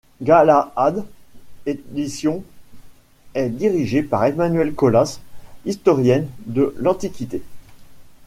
Galaade éditions est dirigée par Emmanuelle Collas, historienne de l’Antiquité.